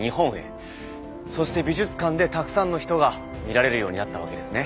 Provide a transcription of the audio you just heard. そして美術館でたくさんの人が見られるようになったわけですね。